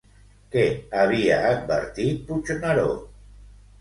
Què havia advertit, Puigneró?